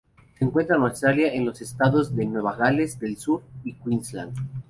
Se encuentra en Australia en los estados de Nueva Gales del Sur y Queensland.